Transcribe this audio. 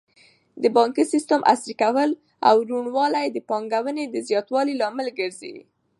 د بانکي سیسټم عصري کول او روڼوالی د پانګونې د زیاتوالي لامل ګرځي.